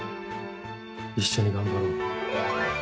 一緒に頑張ろう。